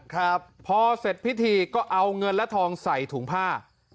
ครับพอเสร็จพิธีก็เอาเงินและทองใส่ถุงผ้า